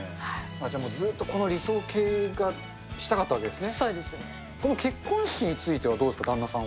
じゃあ、ずっとこの理想形がしたかったわけですね。